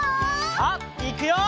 さあいくよ！